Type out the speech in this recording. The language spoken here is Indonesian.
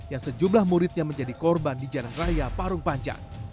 yang sejumlah muridnya menjadi korban di jalan raya parung panjang